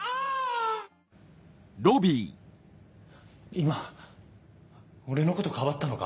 今俺のことかばったのか？